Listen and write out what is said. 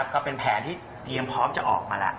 ก็เป็นแผนที่เตรียมพร้อมจะออกมาแล้ว